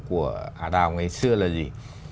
của ả đào ngày xưa là gì